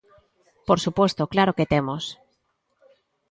¡Por suposto, claro que temos!